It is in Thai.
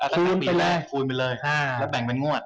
คุยไปเลยแล้วแบ่งเป็นงวด